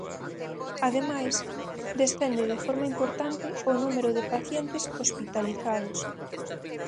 Ademais, descende de forma importante o número de pacientes hospitalizados.